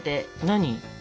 何？